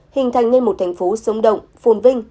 hình thành nên một thành phố sống động phồn vinh